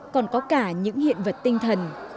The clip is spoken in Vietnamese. còn có cả những hiện vật tinh thần